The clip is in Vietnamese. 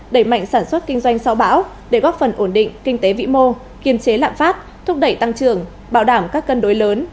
đẩy mạnh sản xuất kinh doanh sau bão để góp phần ổn định kinh tế vĩ mô kiềm chế lạm phát thúc đẩy tăng trưởng bảo đảm các cân đối lớn